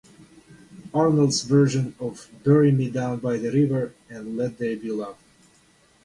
Arnold's version of "Bury Me Down By the River" and "Let There Be Love".